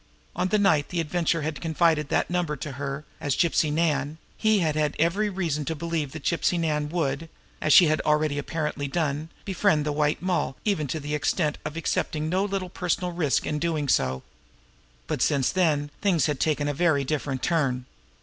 On the night the Adventurer had confided that telephone number to her as Gypsy Nan, he had had every reason to believe that Gypsy Nan would, as she had already apparently done, befriend the White Moll even to the extent of accepting no little personal risk in so doing. But since then things had taken a very different turn.